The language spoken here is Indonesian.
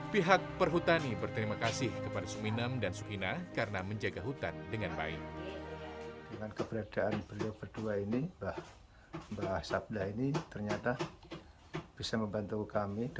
pihak perhutani berterima kasih kepada suminam dan sukina karena menjaga hutan dengan baik